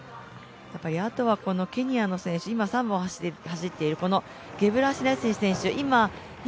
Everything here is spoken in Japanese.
あとはケニアの選手、今３番を走っているこのゲブレシラシエ選手